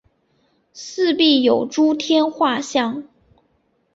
四壁有诸天画像。